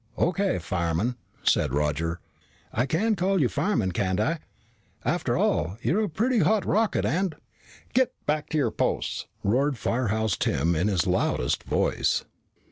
"O.K., Fireman," said Roger. "I can call you Fireman, can't I? After all, you are a pretty hot rocket, and " "Get back to your posts!" roared Firehouse Tim in his loudest voice.